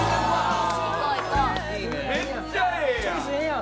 めっちゃええやん！